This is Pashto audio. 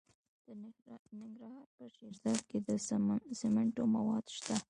د ننګرهار په شیرزاد کې د سمنټو مواد شته.